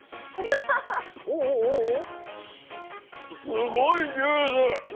すごいジュース！